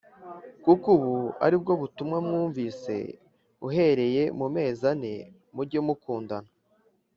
Kuko ubu ari bwo butumwa mwumvise uhereye mu mezi ane mujye mukundana